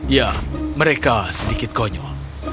ya mereka sedikit konyol